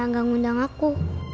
enggak ngundang aku